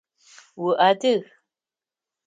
Уадыг?